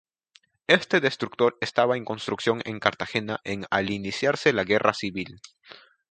Este destructor estaba en construcción en Cartagena en al iniciarse la Guerra Civil.